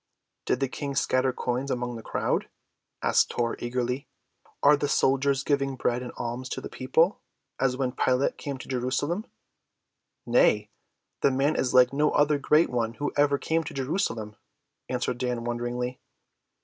"Did the King scatter coins among the crowd?" asked Tor eagerly. "Are the soldiers giving bread and alms to the people, as when Pilate came to Jerusalem?" "Nay, the man is like no other great one who ever came to Jerusalem," answered Dan wonderingly.